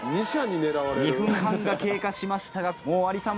２分半が経過しましたがもうアリさん